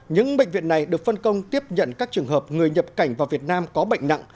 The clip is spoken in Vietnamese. những bệnh viện này được phân công tiếp nhận các trường hợp người nhập cảnh vào việt nam có bệnh nặng